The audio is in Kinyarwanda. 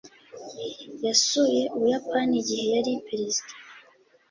yasuye ubuyapani igihe yari perezida